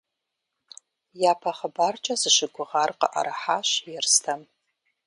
Япэ хъыбаркӏэ зыщыгугъар къыӏэрыхьащ Ерстэм.